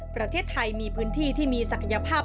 ประเทศไทยมีพื้นที่ที่มีศักยภาพ